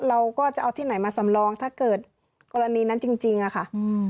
เราก็จะเอาที่ไหนมาสำรองถ้าเกิดกรณีนั้นจริงจริงอะค่ะอืม